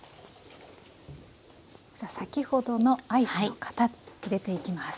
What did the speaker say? さあ先ほどのアイスの型入れていきます。